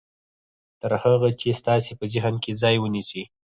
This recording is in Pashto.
تر هغه چې ستاسې په ذهن کې ځای ونيسي.